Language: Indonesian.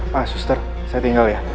ma sister saya tinggal ya